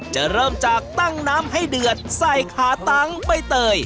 จะเริ่มจากตั้งน้ำให้เดือดใส่ขาตั้งใบเตย